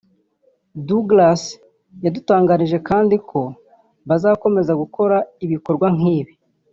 Douglas yadutangarije kandi ko bazakomeza gukora ibikorwa nkibi